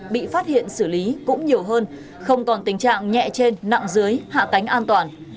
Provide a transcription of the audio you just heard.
bị phát hiện xử lý cũng nhiều hơn không còn tình trạng nhẹ trên nặng dưới hạ cánh an toàn